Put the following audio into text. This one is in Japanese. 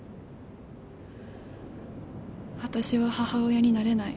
私は母親になれない。